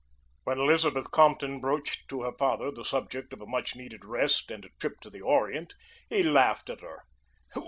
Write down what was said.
When Elizabeth Compton broached to her father the subject of a much needed rest and a trip to the Orient, he laughed at her.